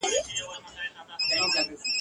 یوه نه ده را سره زر خاطرې دي !.